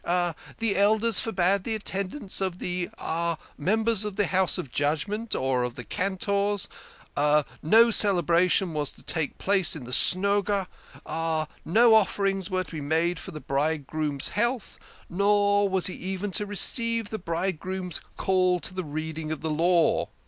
The Elders forbade the attendance of the members of the House of Judgment, or of the Cantors ; no celebration was to take place in the Snoga ; no offerings were to be made for the bride groom's health, nor was he even to receive the bridegroom's call to the reading of the Law."